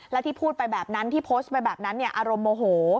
และที่พูดไปแบบนั้นที่โพสต์ไปแบบนั้นอารมณ์โมโห